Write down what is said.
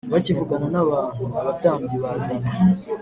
Bakivugana n abantu abatambyi bazana